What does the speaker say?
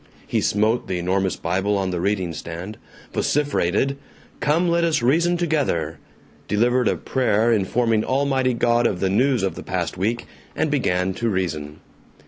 He smote the enormous Bible on the reading stand, vociferated, "Come, let us reason together," delivered a prayer informing Almighty God of the news of the past week, and began to reason.